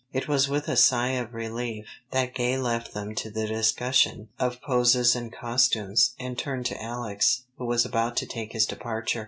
It was with a sigh of relief that Gay left them to the discussion of poses and costumes, and turned to Alex, who was about to take his departure.